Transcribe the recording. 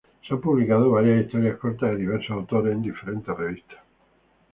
Se han publicado varias historias cortas de diversos autores en diferentes revistas.